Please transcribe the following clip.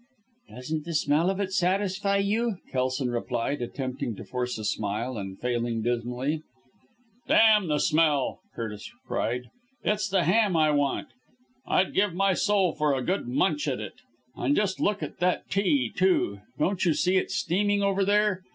"Doesn't the smell of it satisfy you?" Kelson replied, attempting to force a smile, and failing dismally. "D n the smell!" Curtis cried. "It's the ham I want. I'd give my soul for a good munch at it. And just look at that tea, too! Don't you see it steaming over there?